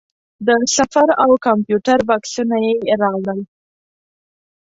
د سفر او کمپیوټر بکسونه یې راوړل.